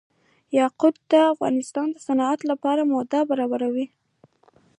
یاقوت د افغانستان د صنعت لپاره مواد برابروي.